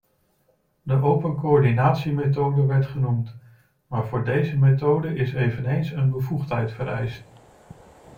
De open coördinatiemethode werd genoemd, maar voor deze methode is eveneens een bevoegdheid vereist.